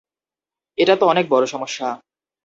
এটা তো অনেক বড় সমস্যা।